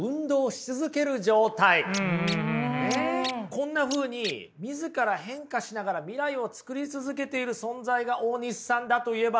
こんなふうに自ら変化しながら未来を作り続けている存在が大西さんだといえばどうでしょう？